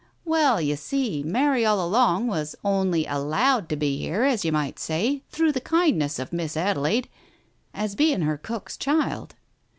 Well, you see, Mary all along was only allowed to be here, as you might say, through the kindness of Miss Adelaide, as being her cook's child."